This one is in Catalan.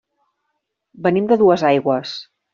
Venim de Duesaigües.